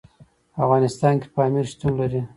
په افغانستان کې پامیر شتون لري.